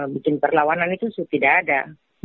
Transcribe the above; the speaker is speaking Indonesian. bikin perlawanan itu tidak ada